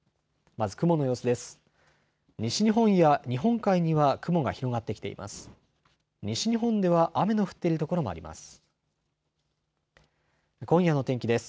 まず雲の様子です。